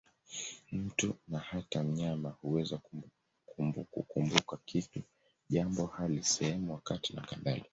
Mtu, na hata mnyama, huweza kukumbuka kitu, jambo, hali, sehemu, wakati nakadhalika.